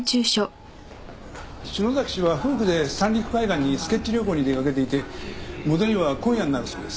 篠崎氏は夫婦で三陸海岸にスケッチ旅行に出かけていて戻りは今夜になるそうです。